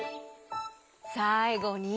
さいごに？